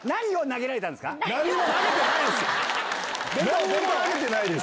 何も投げてないです